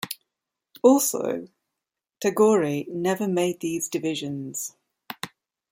Also, Tagore never made these divisions.